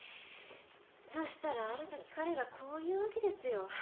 「そしたらある時カレがこう言うわけですよ」